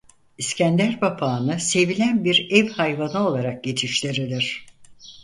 İskender papağanı sevilen bir ev hayvanı olarak yetiştirilir.